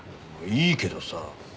いいけどさ。